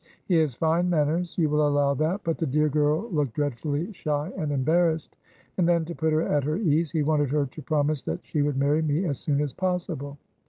He has fine manners, you will allow that, but the dear girl looked dreadfully shy and embarrassed. And then, to put her at her ease, he wanted her to promise that she would marry me as soon as possible.